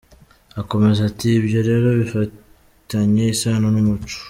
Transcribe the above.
Akomeza ati “Ibyo rero bifitanye isano n’umuco.